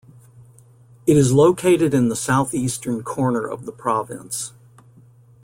It is located in the southeastern corner of the province.